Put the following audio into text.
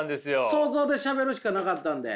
想像でしゃべるしかなかったんで。